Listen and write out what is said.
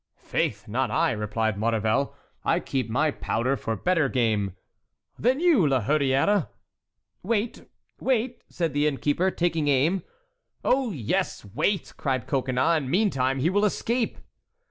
"Faith, not I," replied Maurevel. "I keep my powder for better game." "You, then, La Hurière!" "Wait, wait!" said the innkeeper, taking aim. "Oh, yes, wait," cried Coconnas, "and meantime he will escape."